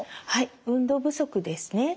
運動不足ですね。